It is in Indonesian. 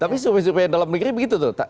tapi survei survei yang dalam negeri begitu tuh